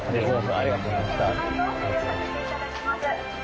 ありがとうございます